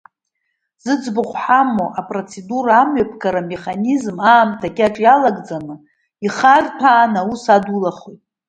Зыӡбахә ҳамоу апроцедура амҩаԥгара амеханизм аамҭа кьаҿ иалагӡаны ихарҭәааны аус адулахоит.